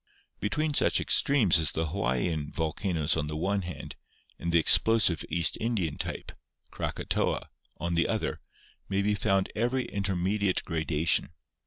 Between such extremes as the Hawaiian volcanoes on the one hand and the explosive East Indian type (Kraka toa) on the other may be found every intermediate grada tion.